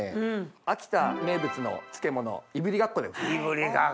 秋田名物の漬物いぶりがっこです。